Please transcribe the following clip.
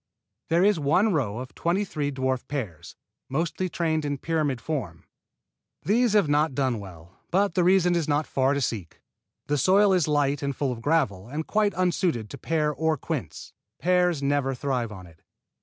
There is one row of twenty three dwarf pears, mostly trained in pyramid form. These have not done well, but the reason is not far to seek. The soil is light and full of gravel, and quite unsuited to pear or quince. Pears never thrive on it.